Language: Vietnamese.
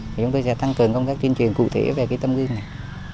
chúng tôi sẽ tăng cường công tác truyền truyền cụ thể về cái tâm gương này